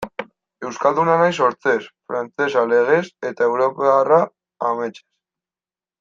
Euskalduna naiz sortzez, frantsesa legez, eta europarra ametsez.